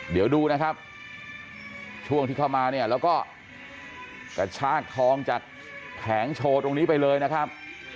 เดี๋ยวดูนะครับช่วงที่เข้ามาเนี่ยแล้วก็กระชากทองจากแผงโชว์ตรงนี้ไปเลยนะครับ